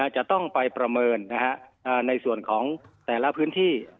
จะต้องไปประเมินในส่วนของแต่ละพื้นที่